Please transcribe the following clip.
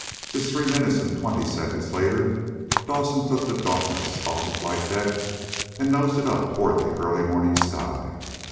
Just three minutes and twenty seconds later Dawson took the Dauntless off the flight deck and nosed it up toward the early morning sky.